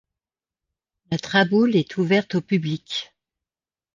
La traboule est ouverte au public.